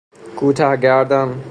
کوته گردن